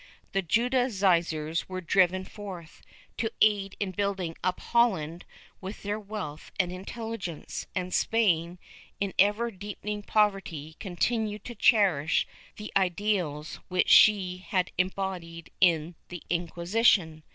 The Judaizers were driven forth, to aid in building up Holland with their wealth and intelligence, and Spain, in ever deepening poverty, continued to cherish the ideals which she had embodied in the Inquisition.